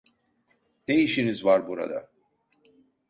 Ne işiniz var burada?